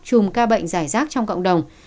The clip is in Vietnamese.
chùm ca bệnh giải rác trong cộng đồng